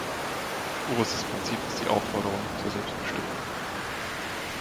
Oberstes Prinzip ist die Aufforderung zur Selbstbestimmung.